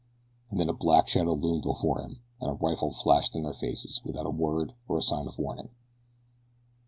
And then a black shadow loomed before them, and a rifle flashed in their faces without a word or a sign of warning.